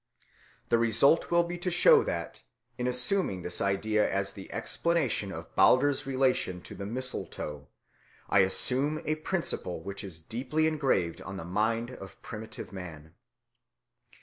The result will be to show that, in assuming this idea as the explanation of Balder's relation to the mistletoe, I assume a principle which is deeply engraved on the mind of primitive man.